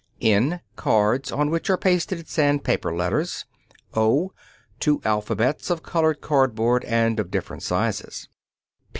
(n) Cards on which are pasted sandpaper letters. (o) Two alphabets of colored cardboard and of different sizes.